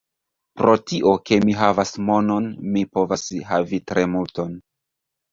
Pro tio, ke mi havas monon, mi povas havi tre multon.